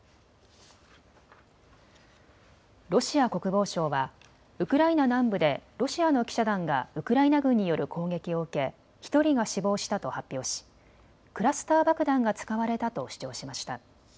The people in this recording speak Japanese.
ロシア国防省はウクライナ南部でロシアの記者団がウクライナ軍による攻撃を受け１人が死亡したと発表しクラスター爆弾が使われたと主張しました。